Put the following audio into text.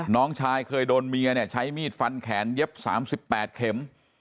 น้องชายเคยโดนเมียเนี่ยใช้มีดฟันแขนเย็บ๓๘เข็ม